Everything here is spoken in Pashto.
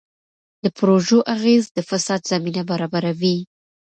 د پروژو اغېز د فساد زمینه برابروي.